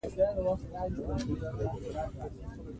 غرونه د افغانستان د ځانګړي ډول جغرافیه استازیتوب کوي.